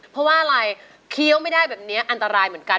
เพราะว่าอะไรเคี้ยวไม่ได้แบบนี้อันตรายเหมือนกัน